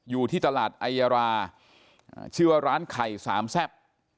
อยู่ที่ตลาดไอยาราชื่อว่าร้านไข่สามแซ่บ